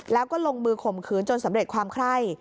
แล้วก็ลงมือข่มขืนจนสำเร็จความไข้